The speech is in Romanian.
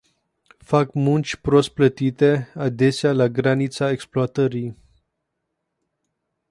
Fac munci prost plătite adesea la granița exploatării.